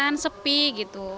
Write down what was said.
hutan sepi gitu